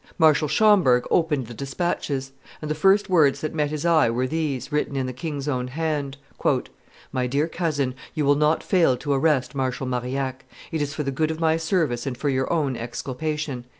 Marshal Schomberg opened the despatches; and the first words that met his eye were these, written in the king's own hand: "My dear cousin, you will not fail to arrest Marshal Marillac; it is for the good of my service and for your own exculpation."